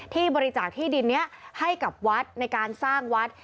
ที่บริจาคที่ดินนี้ให้กับวัดในการสร้างวัด